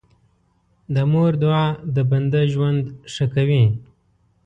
د مور دعا د بنده ژوند ښه کوي.